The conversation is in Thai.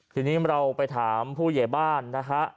ทีนี้เราไปถามผู้เยดบ้านนะครับ